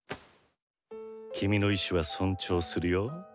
キミの意志は尊重するよ。